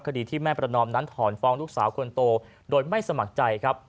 คดีที่แม่ประนอมนั้นถอนฟ้องลูกสาวคนโตโดยไม่สมัครใจครับ